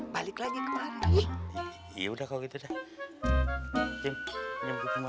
balik lagi kemarin ya udah kalau gitu dah tim nyampe motornya